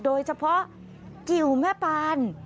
โดยเฉพาะกิวแม่ปาน